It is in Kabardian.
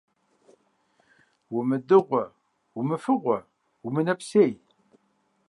Умыдыгъуэ, умыфыгъуэ, умынэпсей.